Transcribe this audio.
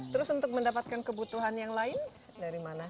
terus untuk mendapatkan kebutuhan yang lain dari mana